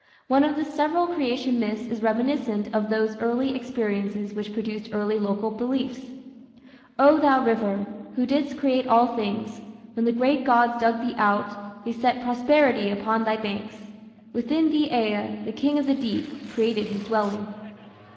One of the several creation myths is reminiscent of those early experiences which produced early local beliefs: O thou River, who didst create all things, When the great gods dug thee out, They set prosperity upon thy banks, Within thee Ea, the king of the Deep, created his dwelling.